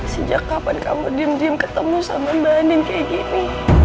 sejak kapan kamu diam diam ketemu sama mbak andin kayak gini